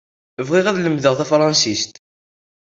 Bɣiɣ ad lemdeɣ tafarsit.